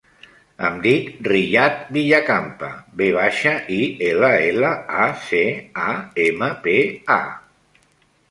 Em dic Riyad Villacampa: ve baixa, i, ela, ela, a, ce, a, ema, pe, a.